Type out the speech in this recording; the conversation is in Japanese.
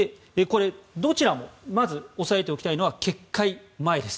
どちらもまず押さえておきたいのは決壊前です。